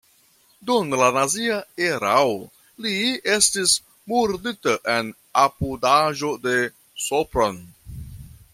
Dum la nazia erao li estis murdita en apudaĵo de Sopron.